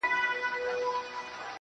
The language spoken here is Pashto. خیر حتمي کارونه مه پرېږده، کار باسه~